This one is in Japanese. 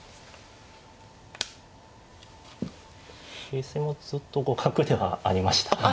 形勢もずっと互角ではありましたね。